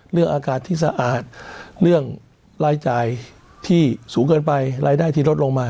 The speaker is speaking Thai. เรื่องอากาศที่สะอาดเรื่องรายจ่ายที่สูงเกินไปรายได้ที่ลดลงมา